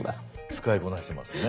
使いこなしてますね。